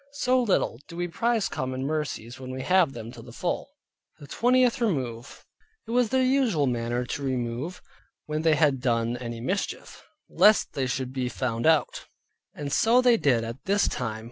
So little do we prize common mercies when we have them to the full. THE TWENTIETH REMOVE It was their usual manner to remove, when they had done any mischief, lest they should be found out; and so they did at this time.